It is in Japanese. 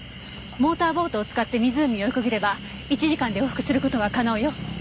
モーターボートを使って湖を横切れば１時間で往復する事は可能よ。